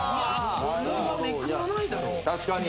確かに。